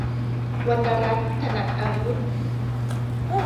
วรรณรัตน์ ถนัดอาวุธ